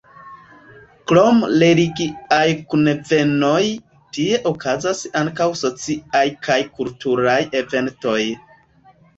Krom religiaj kunvenoj, tie okazas ankaŭ sociaj kaj kulturaj eventoj.